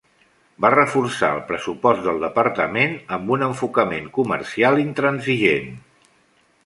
Va reforçar el pressupost del departament amb un enfocament comercial intransigent.